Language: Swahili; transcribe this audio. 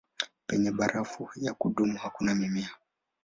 Penye barafu ya kudumu hakuna mimea.